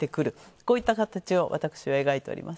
こういった形を私は描いております。